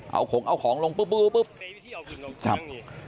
เอาของลงปุ๊บปุ๊บ